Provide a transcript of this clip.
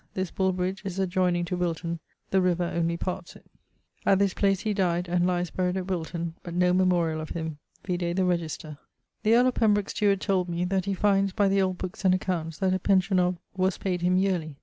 This Bulbridge is adjoyning to Wilton; the river only parts it. At this place he dyed and lyes ☞ buryed at Wilton, but no memoriall of him vide the Register. The earl of Pembroke's steward told me that he findes by the old bookes and accounts that a pension of ... was payd him yearly.